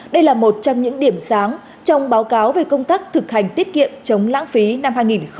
đây là một trong những điểm sáng trong báo cáo về công tác thực hành tiết kiệm chống lãng phí năm hai nghìn hai mươi